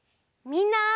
みんな！